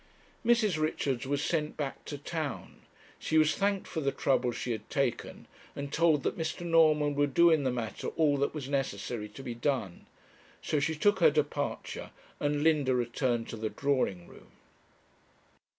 Mrs. Richards was sent back to town. She was thanked for the trouble she had taken, and told that Mr. Norman would do in the matter all that was necessary to be done. So she took her departure, and Linda returned to the drawing room.